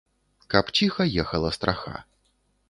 Каб ціха ехала страха.